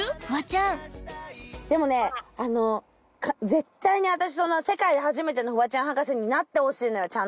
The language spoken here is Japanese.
フワちゃんでもね絶対に私世界の初めてのフワちゃん博士になってほしいのよ